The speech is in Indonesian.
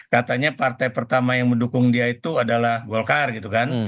katanya partai pertama yang mendukung dia itu adalah golkar gitu kan